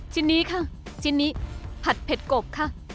ชิ้นนี้ค่ะชิ้นนี้ผัดเผ็ดกบค่ะ